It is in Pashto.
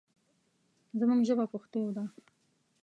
زموږ ژبه پښتو ده.